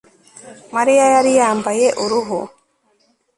Mariya yari yambaye uruhu